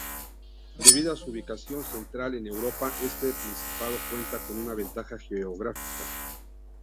Debido a su ubicación central en Europa, este principado cuenta con una ventaja geográfica.